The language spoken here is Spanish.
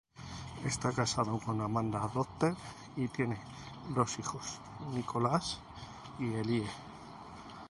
Está casado con Amanda Docter y tiene dos hijos, Nicholas y Elie.